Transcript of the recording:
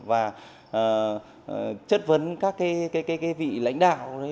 và chất vấn các cái vị lãnh đạo